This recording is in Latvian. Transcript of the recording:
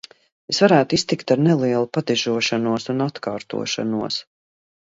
Es varētu iztikt ar nelielu padižošanos un atkārtošanos.